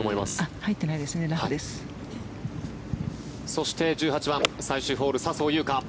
そして１８番最終ホール、笹生優花。